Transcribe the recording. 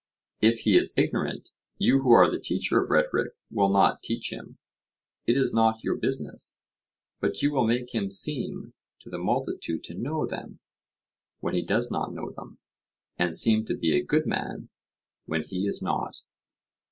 If he is ignorant, you who are the teacher of rhetoric will not teach him—it is not your business; but you will make him seem to the multitude to know them, when he does not know them; and seem to be a good man, when he is not.